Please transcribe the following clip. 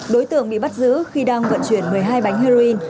đối tượng bị bắt giữ khi đang vận chuyển một mươi hai bánh heroin